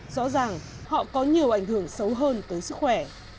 rõ ràng họ có nhiều ảnh hưởng xấu hơn tới sức khỏe